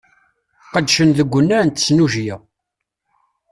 Qedcen deg unnar n tesnujya.